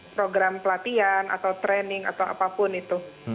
program pelatihan atau training atau apapun itu